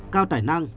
cao tài năng